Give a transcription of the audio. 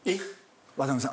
渡辺さん